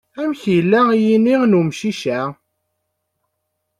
Amek yella yini n umcic-a?